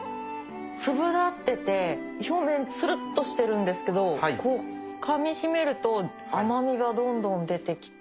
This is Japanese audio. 粒立ってて表面ツルっとしてるんですけどかみしめると甘みがどんどん出てきて。